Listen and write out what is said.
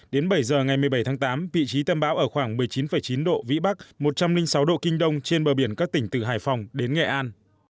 đến bảy giờ ngày một mươi bảy tháng tám vị trí tâm bão ở khoảng một mươi chín chín độ vĩ bắc một trăm linh sáu độ kinh đông trên bờ biển các tỉnh từ hải phòng đến nghệ an